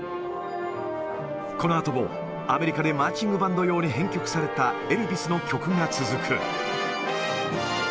このあともアメリカでマーチングバンド用に編曲されたエルヴィスの曲が続く。